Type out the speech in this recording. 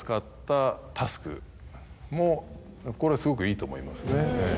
これはすごくいいと思いますね。